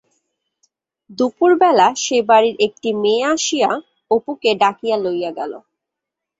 দুপুর বেলা সে-বাড়ির একটি মেয়ে আসিয়া অপুকে ডাকিয়া লইয়া গেল।